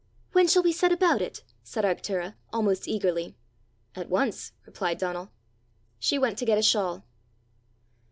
"When shall we set about it?" said Arctura, almost eagerly. "At once," replied Donal. She went to get a shawl.